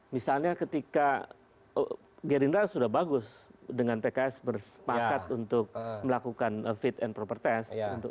misalnya ketika gerindra sudah bagus dengan pks bersepakat untuk melakukan fit and proper test